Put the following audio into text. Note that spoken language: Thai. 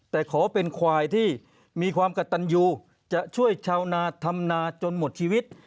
แต่ขอเป็นควายที่มีความกระตันยูจะช่วยชาวนาทำนาจนหมดชีวิต